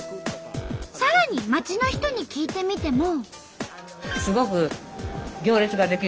さらに街の人に聞いてみても。